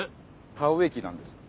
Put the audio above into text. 田植え機なんです。